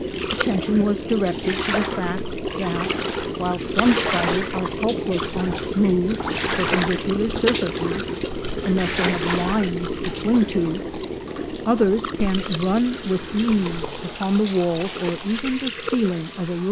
Attention was directed to the fact that while some spiders are helpless on smooth perpendicular surfaces unless they have lines to cling to, others can run with ease upon the walls or even the ceiling, of a room.